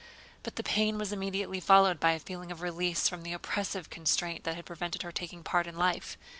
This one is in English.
But the pain was immediately followed by a feeling of release from the oppressive constraint that had prevented her taking part in life.